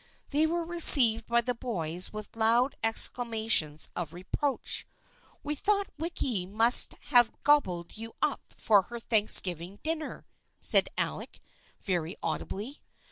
They were received by the boys with loud excla mations of reproach. " We thought Wicky must have gobbled you up for her Thanksgiving dinner," said Alec, very audibly.